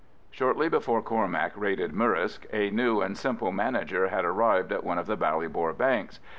Shortly before Cormac raided Murrisk, a new and simple manager had arrived at one of the Ballybor banks.